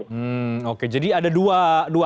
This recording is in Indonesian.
hmm oke jadi ada dua